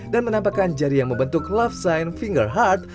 dan menampakkan jari yang membentuk love sign finger heart